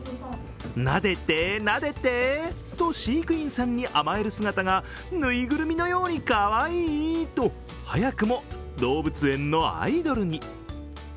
なでて、なでてと飼育員さんに甘える姿がぬいぐるみのように、かわいい！と早くも動物園のアイドルに。